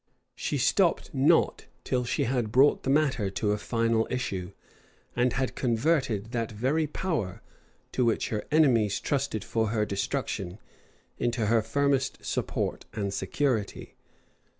She stopped not till she had brought the matter to a final issue; and had converted that very power, to which her enemies trusted for her destruction, into her firmest support and security.